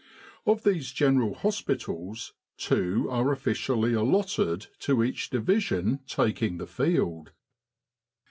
Of these General Hospitals two are officially allotted to each Division taking the field.